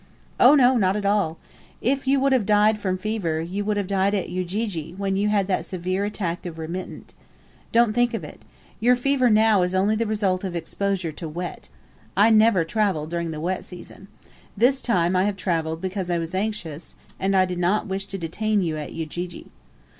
"Oh no, not at all. If you would have died from fever, you would have died at Ujiji when you had that severe attack of remittent. Don't think of it. Your fever now is only the result of exposure to wet. I never travel during the wet season. This time I have travelled because I was anxious, and I did not wish to detain you at Ujiji."